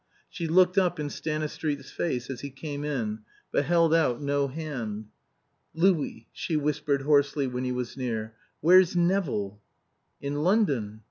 She looked up in Stanistreet's face as he came in, but held out no hand. "Louis," she whispered hoarsely when he was near, "where's Nevill?" "In London."